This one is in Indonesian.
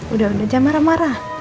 udah udah jam marah marah